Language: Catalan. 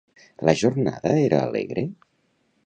La jornada era alegre?